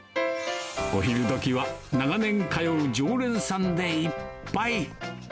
お昼どきは長年通う常連さんでいっぱい。